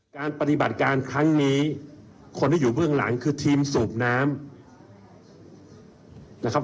การปฏิบัติการครั้งนี้คนที่อยู่เบื้องหลังคือทีมสูบน้ำนะครับ